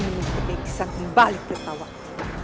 menemukan nekisang kembali tirtawati